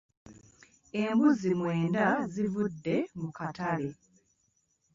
Embuzi mwenda zivudde mu katale.